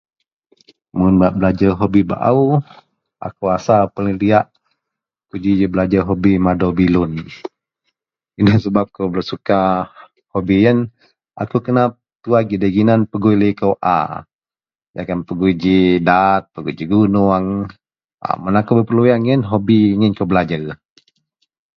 mun bak belajer hobi baau, akou rasa paling diak kou ji belajer hobi madaou bilun, ino sebab akou lok suka hobi ien, akou kena tuad gidei ginan pegui liko a, jegum pegui ji daat, pegui ji gunung a mun akou bei peluang ien hobi ingin kou belajer